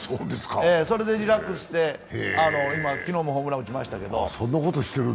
それでリラックスして昨日もホームラン打ちましたけど。